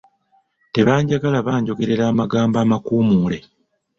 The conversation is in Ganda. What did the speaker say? Tebanjagala banjogerera amagambo amakuumuule.